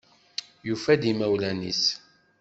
Yufa-d imawlan-nnes.